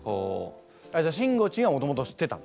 じゃあしんごちんはもともと知ってた？